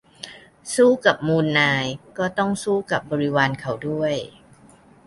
- สู้กับมูลนาย ก็ต้องสู้กับบริวารเขาด้วย